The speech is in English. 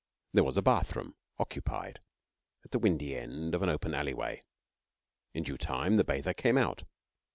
There was a bathroom (occupied) at the windy end of an open alleyway. In due time the bather came out.